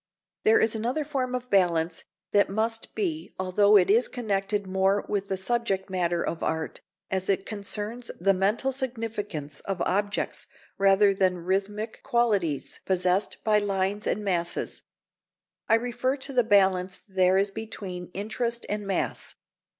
] There is another form of balance that must be although it is connected more with the subject matter of art, as it concerns the mental significance of objects rather than rhythmic qualities possessed by lines and masses; I refer to the balance there is between interest and mass.